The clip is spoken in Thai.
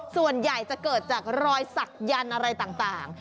ส่วนใหญ่จะเกิดจากรอยสักยันต์อะไรต่าง